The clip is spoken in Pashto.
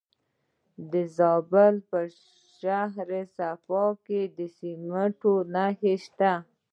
د زابل په شهر صفا کې د سمنټو مواد شته.